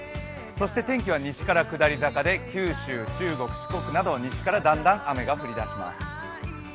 そして天気は西から下り坂で九州、中国・四国など西からだんだん雨が降り出します。